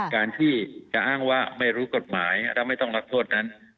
การที่จะอ้างว่าไม่รู้กฎหมายแล้วไม่ต้องรับโทษนั้น